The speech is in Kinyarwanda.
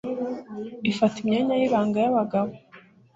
ifata imyanya y'ibanga y'abagabo.